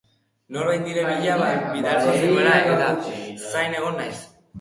Norbait nire bila bidaliko zenuela-eta zain egon naiz.